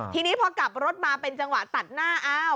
ทีนี้พอกลับรถมาเป็นจังหวะตัดหน้าอ้าว